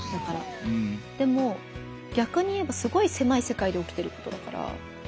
でもぎゃくに言えばすごいせまい世界でおきてることだから。